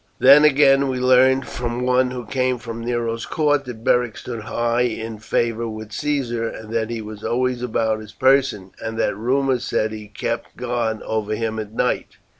Then again we learned from one who came from Nero's court that Beric stood high in favour with Caesar, that he was always about his person, and that rumours said he kept guard over him at night.